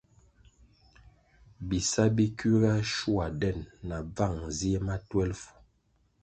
Bisa bi kiuga shua den na bvan zie ma twelfu.